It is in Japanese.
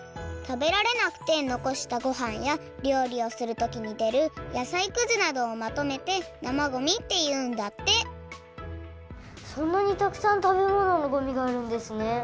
食べられなくてのこしたごはんやりょうりをするときにでるやさいくずなどをまとめて生ごみっていうんだってそんなにたくさん食べ物のごみがあるんですね。